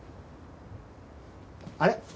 あれ？